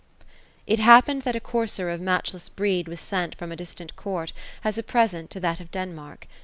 It happened that a courser of matchless breed was sent from a dis tant court, as a present, to that of Denmark.